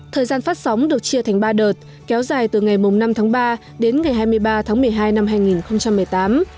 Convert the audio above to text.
thời gian phát sóng được chia thành ba đợt kéo dài từ ngày năm tháng ba đến ngày hai mươi ba tháng một mươi hai năm hai nghìn một mươi tám